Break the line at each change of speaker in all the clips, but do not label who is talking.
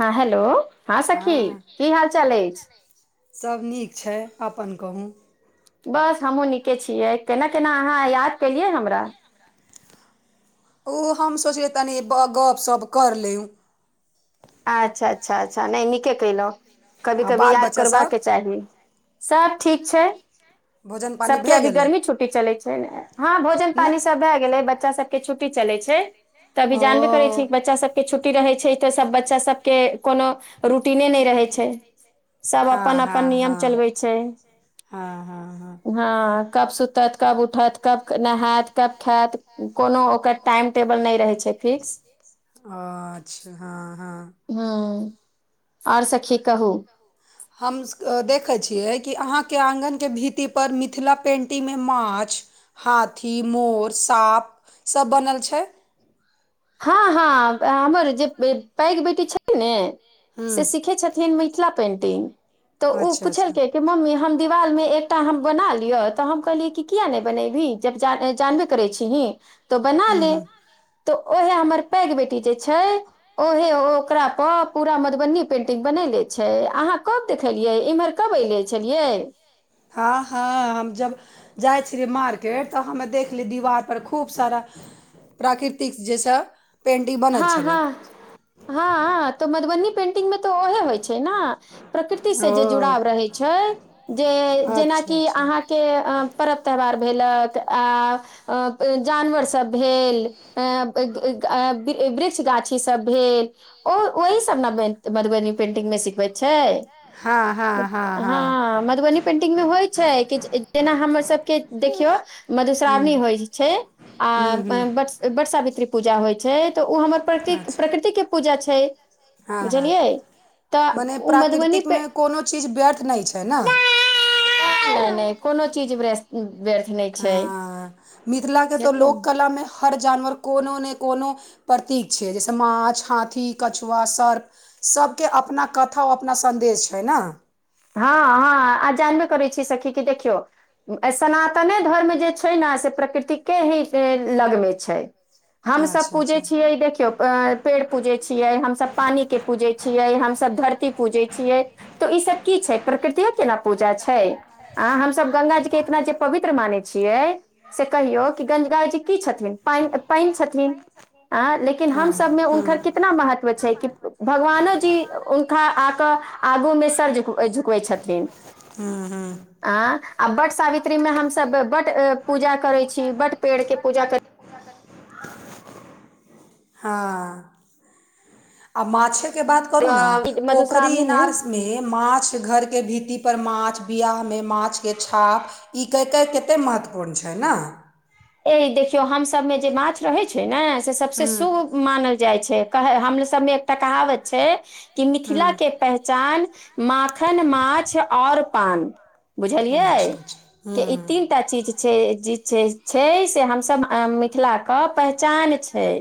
हँ हेलो हँ सखी की हाल चाल अछि
सभ नीक छै अपन कहू
बस हमहुँ नीके छियै केना केना अहाँ याद केलियै हमरा
ओ हम सोचलियै तनि गप शप कर लेहुँ
अच्छा अच्छा अच्छा नय नीके कलहु कभी
आ
कभी
बाल
याद
बच्चासभ
करबाकाे चाही सब ठीक छै
भोजन पानि
सबके
भए
अभी
गेलै
गर्मी छुट्टी चलै छै ने हँ भोजन
नहि
पानी सब भए गेलै बच्चा सब के छुट्टी चले छै तऽ अी जानबे करे
ओ
छै बच्चा सब के छुट्टी रहे छै तऽ सब बच बच्चा सबके कोनो रूटीने नय रहै छै सब
हँ
अपन
हँ
अपन नियम
हँ
चलबै छै
हँ हँ हँ
हँ कब सु उतत कब उठत कब नहायत कब खायत कोनो ओकर टाइम टेबल नय रहे छै फिक्स
अच्छा हँ हँ
हँ
ओर सखी कहू हम देखैत छियै कि अहाँके आगन के भीति पर मिथिला पेन्टिंग मे माछ हाथी मोर साँप सभ बनल छै
हँ हँ हमर जे पैघ बेटी छै ने
ह
से सिखे छथिन थिन मिथला पेंटिंग त उ
अच्छा अच्छा
पूछलके कि मम्मी हम दीवालमे एकटा हम बना लिअ तऽ हम कहलियै कि किया नैय बनेबही जब ज जानबे करै छी ही तो बना
हूँ
ले
हूँ
तऽ उहे हमर पैघ बेटी जे छैय ओ हे ओ ओकरा प पूरा मधुबनी पेंटिंग बनले छैय अहाँ कब देखेलियै इम्हर कब अ इलैछलियै
हा हा हम जब जाइ छलिए मार्केट तऽ हमे देखली दीवारपर खूब सारा प्राकृतिक जेहिसँ
हँ हँ हँ तऽ मधुबनी पेंटिंग मे तऽ ओहे होइ छैय न प्रकृति से
ओ
जे जुड़ाव रहै छैय जे
अच्छा
जेनाकि
अच्छा
अहाँके परवत्यौहार भेलक आ अ जानवर सब भेल ऐऽ [unintelligible] वृक्ष गाछी सब भेल ओ ओहीसब ने मैन मधुबनी पेंटिंग मे सिखबै छैय
हँ हँ हँ हँ
हामधुबनी पेन्टिंग मे होइ छैय कि जेना हमर सबके देखियो मधुश्रावणी
हूँ
होइ छैयआ
हूँ हूँ
वटसावित्री पूजा होइ छैय तऽ ओ हमर प्र
अच्छा
प्रकृतिक के पूजा छैय
हँ हँ मने
ओ मधुबनी पे
प्राकृतिकमे कोनो चीज व्यर्थ नैय छैय न
नैय नैय कोनो चीज बृस्त व्यर्थ नैय छैय
हँ मिथिला के
जा
तो
दियो
लोक
न
कला मे हर जानवर कोनो ने कोनो प्रतीक छैय जैसे माछ हाथी कछुआ सर्प सभके अपना कथा अपना सन्देश छैय न
हा हा आ जानबे करै छी सखी की देखियौ आइसनातने धर्म जे छैय ने से प्रकृतिके ही लगमे छैय हम सभ
अच्छा
पूजै
अच्छा
छियै देखियौ [unintelligible] पेड़ पूजै छियै हमस पानी के पूजै छियै हमस धरती पूजै छियै तऽ ई सब की छैय प्रकृति ऐ केना पूजा छैय आ हमस गंगा जी के इकरा जे पवित्र मानै छियै से कहियौ कि गंगा जी की छथिन पानि छथिन अऽ लेकिन हम
हँ
सभमे
हँ
उनकर केत इतना महत्व छैय कि भगवानो जी हुनकाआक आगू मे सर झुकवे ओ झुकबै छथिन
हूहू
अऽ वट सावित्री में हमस बट पूजा करै छी बट पेड़ के पूजा कर
ह आ माछे के बात करु न
अ,
पोखरी
मधुश्रावणी मे
इनार सब मे माछ घर के भीती पर माछ बियाह मे माछ के छाप ई कयकय कतेक महत्वपूर्ण छैयन
ए देखियौ हमसभमे जे माछ रहैत छैयन से सबसँ
हूँ
शुभ मानल जाइ छैयकह हमरो सबमे एकटा कहावत छैय कि मिथिला के
हूँ
पहचान माखन माछ ओर पान बुझलियै
अच्छा अच्छा हूँ
के ई
हूँ
तीनटा चीज छैय जे छैय छैय से हमसभ मिथिलाके पहचान छैय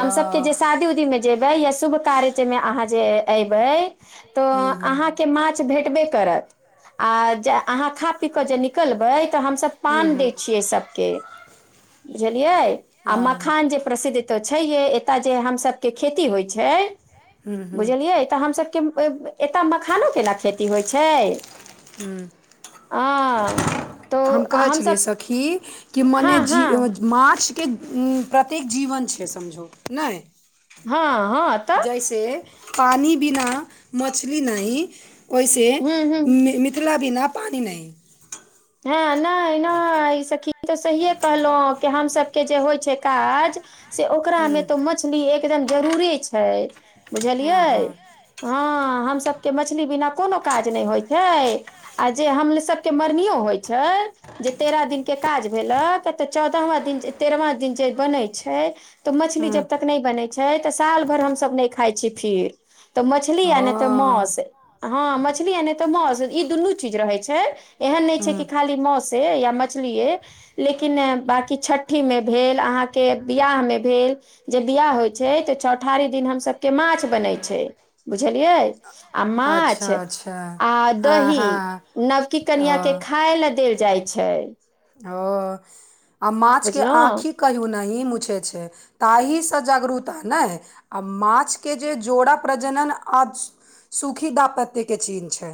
हम सभके जे शादी उदीमे जेबै या शुभ कार्यमे अहाँ जे अयबै तऽ
हूँ हूँ
अहाँके मा किछ भेटबे करत आ ज अहा खापि क जे निकलबै त हम सब पान दै छियै सबके बुझलियाय आ
हँ
मखान जे प्रसिद्ध तऽ छै हे एतय जे हमसबके खेती होइ छै
हूँ हूँ
बुझलियै तऽ हमसबके एतय मखानो केना खेती होइ छै
हूँ
हँ तो
हम कहै छलियै
हमसभ
सखी कि
हँ
मने जी
हँ
माछके कते जीवन छै समझो नाय
हँ हँ
जैसे पानी बिना मछली नहि ओैसे
हम्म हम्म
मी मीत [unintelligible] बिना पानि नहि
हँ नय नय सखी ई तऽ सहिये कहलौ कि हमसबके जे होइ छै काज से ओकरा मे तो म मछली एकदम जरूरे छै
हँ
बुझलियाय
हँ
हँ हमसबके मछली बिना कोनो काज नै होइ छै आ जे हमलसबके मरनियो होइ छय जे तेरह दिनके काज भेल तऽ चौदहवाँ दिन तेरवा दिन जे बनै छै त मछली
हूँ
जब तक नै बनै छै तऽ साल भर हमसब नै खाय छी फेर तऽ मछली
ओ
या ने तऽ हँ से हँ इ दूनू चिज रहै छै एहन नइ छइ
हूँ
की कि खाली मौसे या मछली ये लेकिन बाँकी छठीमे भेल अहाँके बिवयाहमे भेल जे बियाह होइ छै तऽ चौठारि दिन हमसबके माछ बनै छै बुझलियै आ माछ
अच्छा अच्छा
आ
हँ
दही
हँ
नवकी कनिया के
ओ
खाय लए देल जाइ छै
ओ आ माछ के
बुझलहुँ
आँखि कहियौ नही मुछै छै ताहिसँ जागरूता नै आ माछके जे जोड़ा प्रजनन आज सूखी दा पत्ते के चीन्ह छै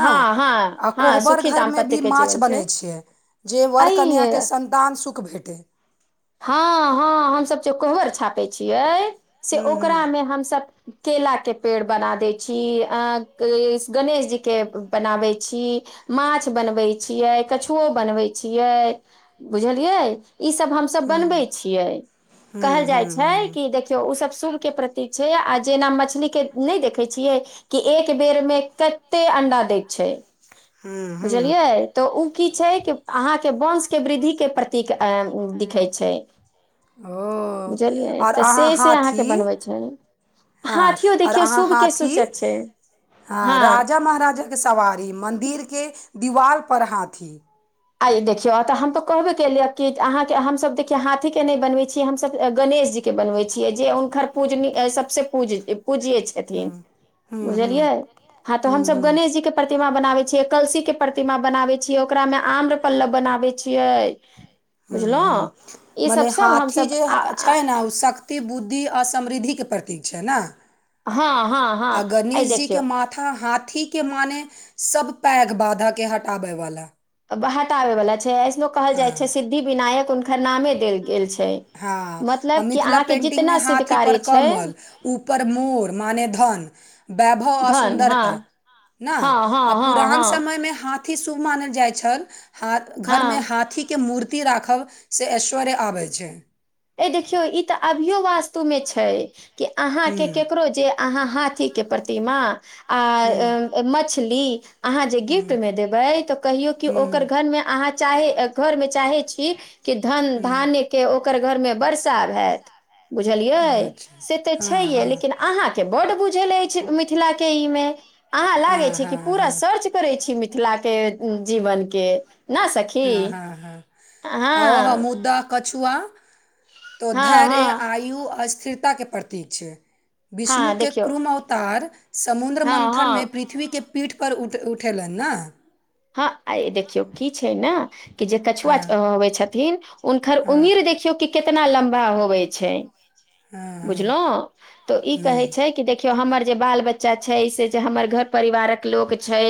ना
हँ हँ
आ
हँ
कोहबर
सुखी
घर मे
दाम्पत्य
भी
के
माछ
जीवन
बनै
छै
छियै जे वर कन्याके
अ
सन्तान सुख भेटै
हँ हँ हमसब जे ओकरा मे छापै छियै से
हूँ हूँ
ओकरामे हमसप केलाके पेड़ बना दै छी अ गणेश जीके बनाबै छी माछ बनबै छियै कछुओ बनबै छियै बुझलियै ई सब हम सब
हूँ
बनै छिय कहल जाय
हूँ हूँ
छै उ सब शुभके प्रतीक छै आ जेना मछलीके नै देखै छियै कि एक बेर मे कते अंडा दैत छै
हूँ हूँक
बुझलियाय तऽ उ की छै अहाँ के बोन्स के वृद्धि के प्रतिक दि [unintelligible]
ओ
बुझलियै
आओर
तऽ से
अहाँ
से अहाँके
हाथी
बनबै छै
हँ
हाथियो
आओर
देखियौ
अहाँ
शुभ के सूचक
हाथी
छै
हाँ
हँ
राजा महाराजा के सवारी मंन्दिर के दीवाल पर हाथी
आ देखियो तऽ हम तो कहबे केलिय कि अहाँ के हमस देखिय हाथी के नै बनवै छी हमसब गणेश जी के बनबै छियै जे हुनखर पूजनी सबसँ पूज पूजिय छथिन
हम्म हम्म हम्म
बुझलियै हँ तो
हम्म
हमस
हम्म
गणेश जी के प्रतिमा बनाबै छियै कलसी के प्रतिमा बनाबै छियै ओकरा मे आम र पल्लव बनाबै छियै
हूँ
बुझलहुँ
हूँ
ई सब
मने
सब
हाथी
हमसभ
जे छै न उ शक्त एत बुद्धि आ समृद्धिके प्रतीक छै ने
हँ हँ हँ अइ देखिय
के हाथी के मने सब पैघ बाधा के हटााबै वाला
बहत आबे वाला छै ऐसनो कहल जाय
हाँ
छै सिद्धि विनायक उनकर नामे देल गेल छै
हँ आ
मतलब कि
मिथिला
अहाँके
पेन्टिंग मे
जितना सिद्ध
हाथी पर
कार्य छै
कमल ऊपर मोर माने धन वैभव आ
धन हँ
सुन्दरता न
हँ हँ
आ
हँ
पुरान
हँ
समय मे हाथ थी शुभ मानल जाइ छल हाथ घर
हँ
मे हाथी के मूर्ति राखब से ऐश्वर्य आबै छै
ए देखियो ई तऽ अभियो वास्तु में छै कि अहा के
हूँ
केकरो जे अहाँ हाथी के प्रतिमा आ
हूँ
मछली अहाँ जे गिफ्ट
हूँ
में देबे तऽ कहियो क ओकर
हूँ
घर में अहाँ चाहे घर मे चाहै छी कि धन
हूँ
धान्य के ओकर घर मे वर्सा होयैत
हूँ
बुझलियै
अच्छा
से तऽ
हँ
छै
हँ
लेकिन अहा के बढ़ बुझल एछ मिथला के इ मे अहा लगे
हँ
छी
हँ
पूरा सर्च
हँ
करै छी मिथिला के जीवन के न सखी
हँ हँ हँ आ
हँ
मुद्दा कछुआ तऽ
हँ
धैर्य
हँ
आयु स्थिरता के प्रतीक छै विष्णु
हँ
के
देखियौ
क्रुम अवतार समुद्र
हँ
मन्थन मे
हँ
पृथ्वीे के पीठ पर उठ उठेलनि ने
हँ आइ देखियौ की छै न कि जे कछुआ
हँ
च होबे छथिन हुनकर
हँ
उम्मीर देखियौ कि कितना लम्बा होबे छै
हँ हँ
बुझलहुँ तऽ ई
हूँ
कहै छै कि देख देखियौ हमर जे बाल बच्चा छै से जे हमर घर परिवारक लोक छै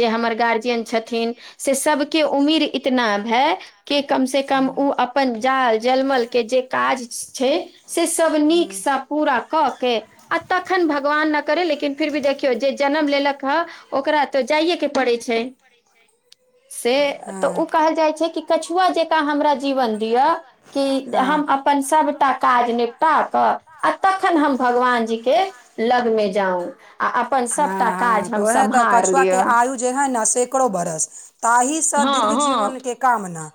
जे हमर गार्जियन छथिन से सबके उम्मीद इतना भय के कम से कम ओ अपन जाल जलमल के जे काज छै से सब
हूँ
नीक सँ पूरा कऽ के आ तखन भगवान नय करे लेकिन फिर भी देखियौ जे जनम लेलक ह ओकरा तऽ जाइएके पड़ै छै
[unintelligible]
से तऽ ओ
हँ
कहल जाइ छै कि कछुआ जे हमरा जीवन दिय कि
हँ
हम अपन सबटा काज ने कऽ आ तखन हम भगवान जी के लगमे जाउ आ अपन सभटा काज हम सम्हार लिअ
तू जेहन सेकरो बारश ताहि सां दीर्घ
हँ हँ
जीवन के कामना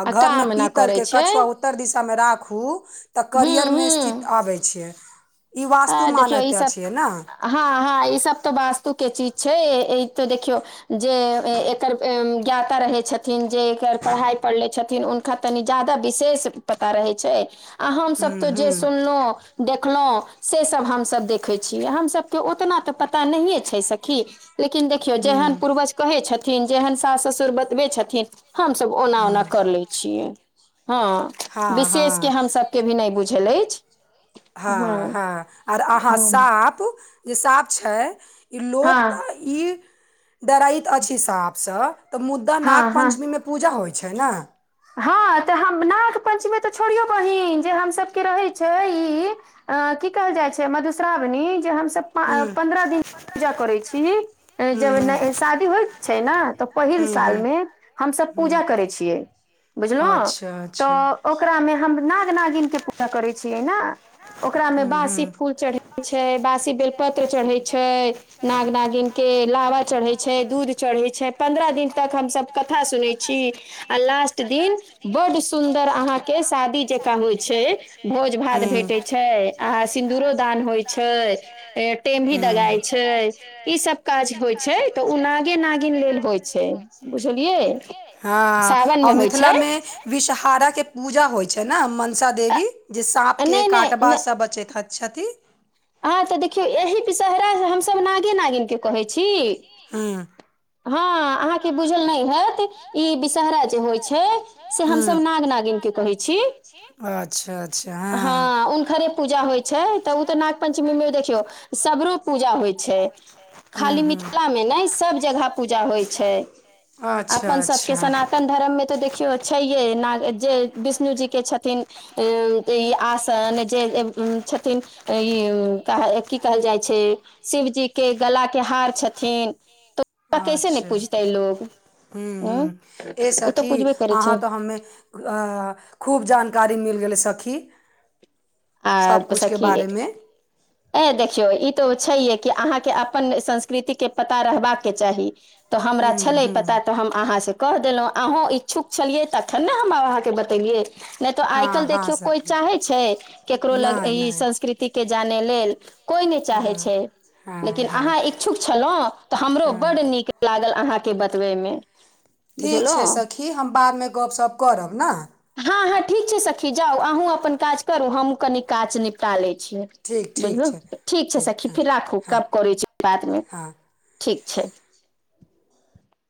आ घर मे
काम न
पीतल
करै
के
छै
कछुआ अत्तर दिशा मे राखू तऽ
हूँ
करियर मे
हूँ
स्थित आबै छै ई
आ
वास्तुमान
देखियौ ई
एतय
सब
छै ने
हँ हँ ई सब तऽ वास्तु के चीज छै ई त देखियौ जे एकर ज्ञात पता रहै छथिन जे एकर पढ़ाई पढ़ ले छथिन हुनका तनि ज्यादा विशेष पता रहै छै आ हम सभ
हूँ
तो
हूँ
जे सुनलहुँ देखलहुँ से सब हमसभ देखै छियै हम सभ के ओतना तऽ पता नहिए छै सखी लेकिन देखियौ
हूँ
जेहन पूर्वज कहै छथिन जेहन सास ससुर बतबै छथिन हमस ओना
हूँ
ओना कर ले छियै हँ
हँ
विशेष के
हँ
हम सब के भी नय बुझल अछि
हँ हँ आर अहाँ
हँ
साफ जे साप छै ई लोक
हँ
तऽ ई डराइत अछि सपसँ तऽ मुद्दा
हँ
नाग
हँ
पंचमी मे पूजा होइ छै न
हँ तऽ हम नाग पञ्चमी तऽ छोड़ियौ बहीन जे हमसभके रहैत छै ई अ की कहल जाइ छै मधुश्रावणी जे हमसभ
ह्म
पन्द्रह दिन पूजा करै छी जब ने शादी होइ छै ने तऽ पहिल साल मे हमसब पूजा करै छियै बुझलौ
अच्छा अच्छा
तऽ ओकरामे हम नाग नागिन के पूजा करै छियै ने ओकरामे
ह्म
बासी
ह्म
फूल चढ़ै छै बासी बेलपत्र चढ़ै छै नाग नागिनके लावा चढ़ै छै दूध चढ़ै‌ छै पन्द्रह दिन तक हमसभ कथा सुनै छी
जी
आ लास्ट दिन बड सुंन्दर अहा के शादी जेकाँ होइ छै भोज भात भेटै छै [unintelligible] सिन्दरो दान होइ छै टेमी दगााय छै ई सब काज होइ छै तऽ ओ नागे नागिन लेल होइ छै बुझलियै
हँ
सावन
आओर
मे होइ छै
मिथिलामे विषहारा के पूजा होय छै ने मनसा देवी जे सााँप के
नहि
काट बचैत है छथी
हह तऽ देखियौ एहि वीषहरा हमसभ नागे नागीन के कहै छी
[inaudible]
हँ अहाँ के बूझल नै हैत ई विषहरा जे होइ छै से हमसब नाग नागिन के कहै छी
छी अच्छा अच्छा
हँ उनखरे पूजा होइ छै तऽ ओ तऽ नाग पञ्चमी मे देखियौ सबरो पूजा होइ छै खाली
हूँ हूँ
मिथिला मे नै सब जगह पूजा होइ छै
अच्छा
अपन सभके
अच्छा
सनातन धर्ममे तऽ देखियौ छैहे जे विष्णु जीके छथिन ए ई आसन जे छथिन ई की कहल जाइ छै शिवजी के गला के हार छथिन तऽ ओरा कैसे नै पूजते लोग
हुॅं
उं
हुॅं ए
ओ तऽ
सखी
पुजबे करै छै
अहाँ तऽ हमे आ खूब जानकारी मिल गेलै सखी सभ कुछ के बारेमे
ह देखियौ ई तऽ छैहे कि अहाँके अपन संस्कृतिके पता रहबाके चाही तऽ हमरा
ह्म
छलै पता
ह्म
तऽ हम अहाँसँ कह देलौ अहूँ इच्छुक छलियै तखन ने हम अहाँके बतेलियै नै तऽ आइ
हँ
कालल्हि
हँ
देखियौ कोई
सखी
चाहै छै केकरो लग
नहि
ई
नहि
संस् कृति के जाने लेल कोई नै चाहे
हँ
छै
हँ
लेकिन
हँ
अहाँ इच्छुक छलो तऽ हमरो बड
हँ
नीक लागल अहाँके बतबैमे
ठीक छै सखी हम बादमे गपशप करब ने
हँ हँ ठीक छै सखी जाउ अहूँ अपन काज करू हम कनि काच निपटा लै छियै
ठीक ठीक
बुझलू
छै
ठीक छै सखी
हँ
फिर राखू
हँ
कब करै छी बादमे
हँ
ठीक छै